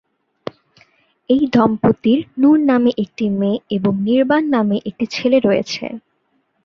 এই দম্পতির নূর নামে একটি মেয়ে এবং নির্বাণ নামে একটি ছেলে রয়েছে।